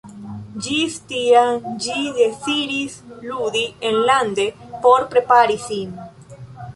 Ĝis tiam ĝi deziris ludi enlande por prepari sin.